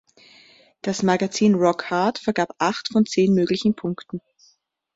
Das Magazin Rock Hard vergab acht von zehn möglichen Punkten.